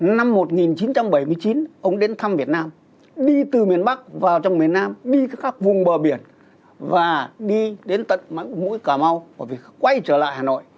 năm một nghìn chín trăm bảy mươi chín ông đến thăm việt nam đi từ miền bắc vào trong miền nam đi khắp vùng bờ biển và đi đến tận mũi cà mau bởi vì quay trở lại hà nội